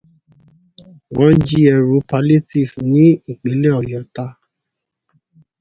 Wọ́n jí ẹrù palíétìfù n'Ípìnlẹ̀ Ọ̀yọ́ tà.